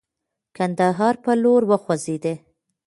کندهار پر لور وخوځېدی.